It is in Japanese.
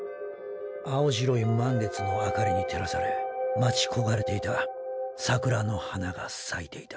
青白い満月の明かりに照らされ待ち焦がれていた桜の花が咲いていた